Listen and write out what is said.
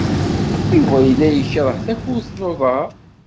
Yuba yella yekṛeh takurt n uḍar.